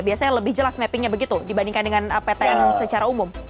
biasanya lebih jelas mappingnya begitu dibandingkan dengan ptn secara umum